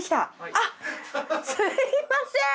あっすみません。